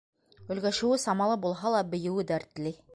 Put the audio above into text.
Өлгәшеүе самалы булһа ла, бейеүе дәртле.